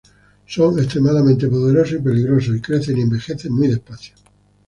Son extremadamente poderosos y peligrosos, y crecen y envejecen muy despacio.